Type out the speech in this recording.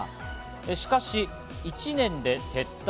しかし１年で撤退。